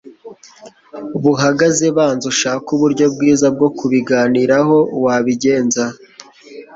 buhagaze banza ushake uburyo bwiza bwo kubiganiraho wabigenza